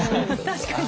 確かに。